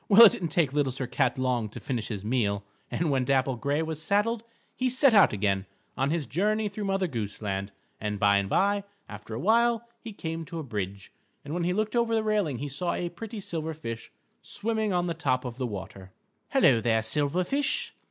Well, it didn't take Little Sir Cat long to finish his meal, and when Dapple Gray was saddled, he set out again on his journey through Mother Goose Land, and by and by, after a while, he came to a bridge, and when he looked over the railing, he saw a pretty silver fish swimming on the top of the water. "Helloa there, silver fish!